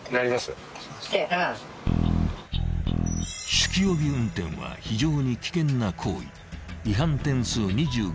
［酒気帯び運転は非常に危険な行為］